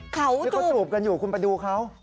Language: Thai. เขาจูบกันอยู่คุณไปดูเขา